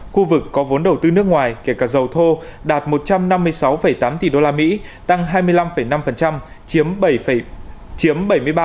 khu vực có vốn đầu tư nước ngoài kể cả dầu thô đạt một trăm năm mươi sáu tám tỷ usd tăng hai mươi năm năm chiếm bảy mươi ba